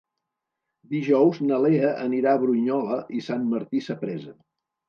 Dijous na Lea anirà a Brunyola i Sant Martí Sapresa.